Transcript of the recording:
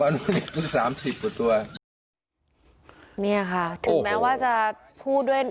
อันนี้คือสามสิบกว่าตัวเนี่ยค่ะถึงแม้ว่าจะพูดด้วยนะ